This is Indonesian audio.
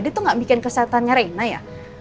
dia tuh gak bikin kesehatannya reina ya